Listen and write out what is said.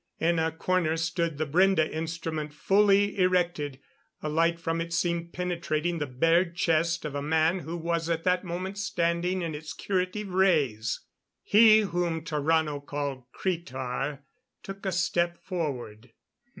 In a corner stood the Brende instrument, fully erected. A light from it seemed penetrating the bared chest of a man who was at that moment standing in its curative rays. He whom Tarrano called Cretar, took a step forward.